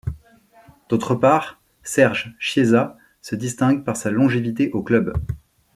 D'autre part, Serge Chiesa se distingue par sa longévité au club.